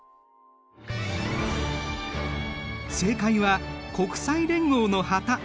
正解は国際連合の旗。